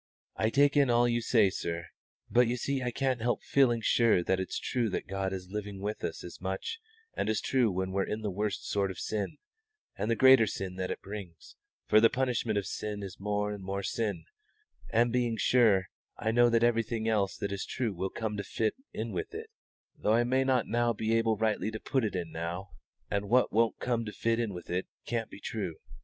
"I take in all that you say, sir; but you see I can't help feeling sure that it's true that God is living with us as much and as true when we're in the worst sort of sin, and the greater sin that it brings for the punishment of sin is more and more sin and being sure, I know that everything else that is true will come to fit in with it, though I may not be able rightly to put it in now, and what won't come to fit in with it can't be true."